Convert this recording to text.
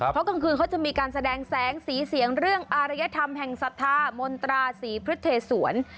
เพราะกลางคืนเขาจะมีการแสดงแสงสีเสียงเรื่องอารยธรรมแห่งศรัทธามนตราศรีพฤเทศวร